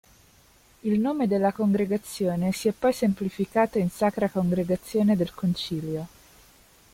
Il nome della congregazione si è poi semplificato in "Sacra Congregazione del concilio".